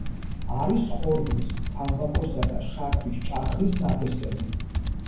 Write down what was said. არის ხორბლის, თამბაქოსა და შაქრის ჭარხლის ნათესები.